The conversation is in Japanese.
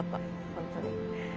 本当に。